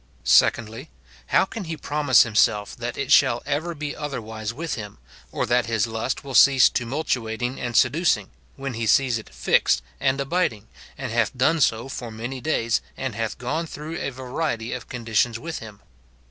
Se condly, How can he promise himself that it shall ever be otherwise with him, or that his lust will cease tumultuat ing and seducing, when he sees it fixed and abiding, and liath done so for many days, and hath gone through a variety of conditions with him